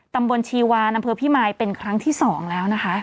ตำบลชีวานอำเภอพิมายเป็นครั้งที่๒แล้วนะคะ